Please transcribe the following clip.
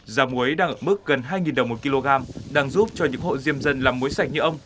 giá muối đang ở mức gần hai đồng một kg đang giúp cho những hộ diêm dân làm muối sạch như ông